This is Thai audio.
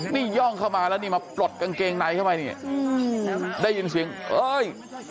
นี่ย่องเข้ามาแล้วนี่มาปลดกางเกงในเข้าไปนี่ได้ยินเสียงเอ้ย